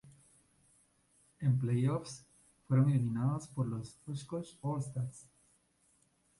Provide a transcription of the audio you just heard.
En playoffs fueron eliminados por los Oshkosh All-Stars.